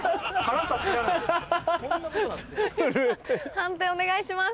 判定お願いします。